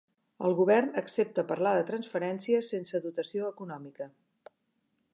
El govern accepta parlar de transferència sense dotació econòmica